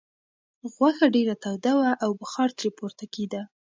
غوښه ډېره توده وه او بخار ترې پورته کېده.